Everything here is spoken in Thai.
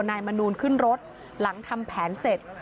นายมนูลขึ้นรถหลังทำแผนเสร็จ